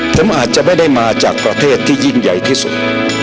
ผมอาจจะไม่ได้มาจากประเทศที่ยิ่งใหญ่ที่สุด